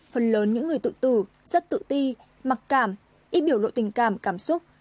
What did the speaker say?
phần lớn những người tự tử rất tự ti mặc cảm ít biểu lộ tình cảm cảm xúc